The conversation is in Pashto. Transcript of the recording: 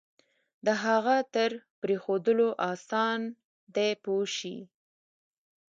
د هغه تر پرېښودلو آسان دی پوه شوې!.